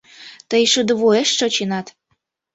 Тый шудо вуеш шочынат...